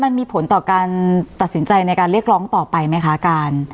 มันมีผลต่อการตัดสินใจในการเรียกร้องต่อไปไหมคะการ